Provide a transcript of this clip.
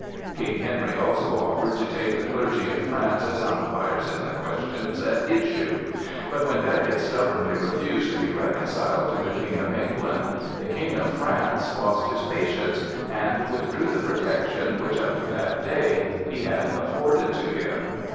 King Henry also offered to take the clergy of France as umpires in the questions at issue; but when Becket stubbornly refused to be reconciled to the King of England, the King of France lost his patience and withdrew the protection which up to that day he had accorded to him.